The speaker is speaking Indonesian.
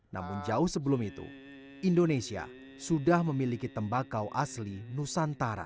namun jauh sebelum itu indonesia sudah memiliki tembakau asli nusantara